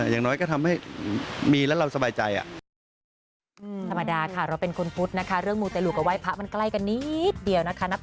อย่างน้อยก็ทำให้มีแล้วเราสบายใจ